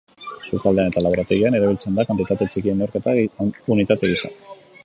Sukaldean eta laborategian erabiltzen da kantitate txikien neurketa unitate gisa.